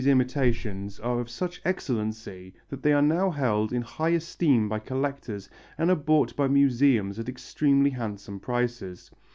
] Bastianini's imitations are of such excellency that they are now held in high esteem by collectors and are bought by museums at extremely handsome prices.